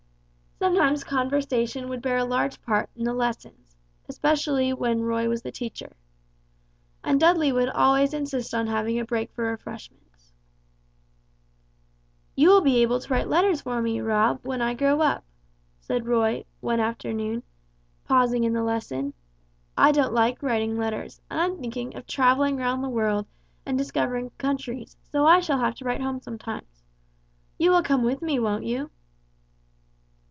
Sometimes conversation would bear a large part in the lessons, especially when Roy was the teacher. And Dudley would always insist on having a break for refreshments. "You will be able to write letters for me, Rob, when I grow up," said Roy, one afternoon, pausing in the lesson. "I don't like writing letters, and I'm thinking of travelling round the world and discovering countries, so I shall have to write home sometimes. You will come with me, won't you?"